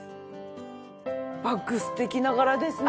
バッグ素敵な柄ですね。